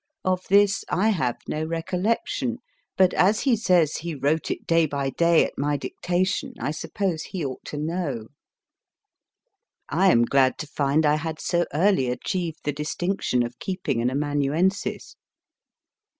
Of this I have no recollection, but, as he says he wrote it day by day at my M 2 164 MY FIRST BOOK dictation, I suppose he ought to know. I am glad to find I had so early achieved the distinction of keeping an amanuensis.